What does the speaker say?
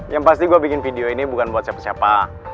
yang pasti gue bikin video ini bukan buat siapa siapa